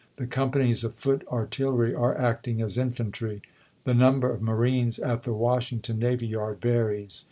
The companies of foot artillery are acting as infantry. The number of marines at the Washington Navy Yard varies.